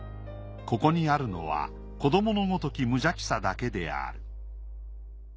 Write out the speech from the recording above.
ここにあるのは子どものごとき無邪気さだけである。